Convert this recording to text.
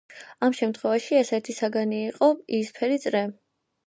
ამ შემთხვევაში ეს ერთი საგანი იყოს იისფერი წრე.